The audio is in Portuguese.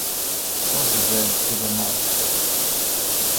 São José de Ribamar